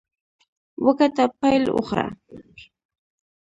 وګټه، پیل وخوره.